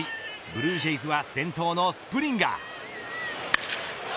ブルージェイズは先頭のスプリンガー。